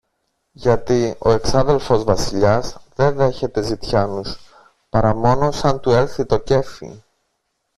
Γιατί ο εξάδελφος Βασιλιάς δε δέχεται ζητιάνους, παρά μόνο σαν του έλθει το κέφι.